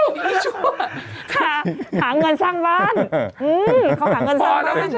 นี่หนูชั่วหาเงินสร้างบ้านหาเงินสร้างบ้าน